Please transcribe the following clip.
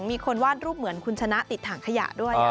มีคนวาดรูปเหมือนคุณชนะติดถังขยะด้วย